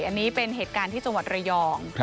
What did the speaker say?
อันนี้เป็นเหตุการณ์ที่จังหวัดระยอง